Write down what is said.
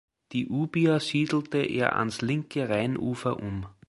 Die Ubier siedelte er ans linke Rheinufer um.